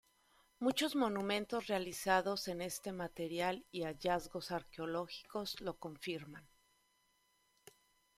Muchos monumentos realizados en este material y hallazgos arqueológicos lo confirman.